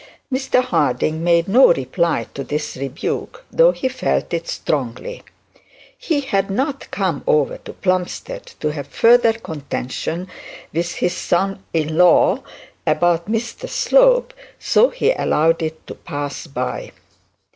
Mr Harding made no reply to this rebuke, though he felt it strongly. He had not come over to Plumstead to have further contention with his son in law about Mr Slope, so he allowed it to pass by.